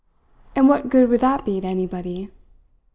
And what good would that be to anybody?